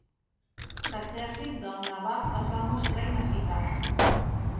L'exèrcit del nabab es va mostrar ineficaç.